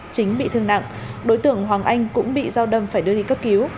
chính bị thương nặng đối tượng hoàng anh cũng bị giao đâm phải đưa đi cấp cứu